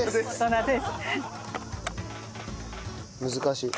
難しい。